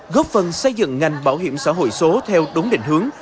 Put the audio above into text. góp phần xây dựng ngành bảo hiểm xã hội số theo đúng định hướng